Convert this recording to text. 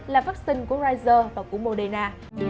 là vaccine của pfizer và của moderna